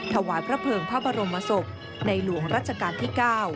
ถวายพระเภิงพระบรมศพในหลวงรัชกาลที่๙